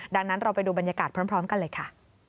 ดังนั้นเราไปดูบรรยากาศพร้อมกันเลยค่ะ